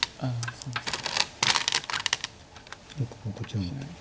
そうですね。